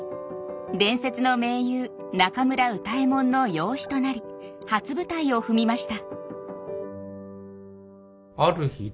伝説の名優中村歌右衛門の養子となり初舞台を踏みました。